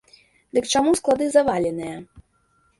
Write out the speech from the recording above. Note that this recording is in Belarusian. Дык чаму склады заваленыя?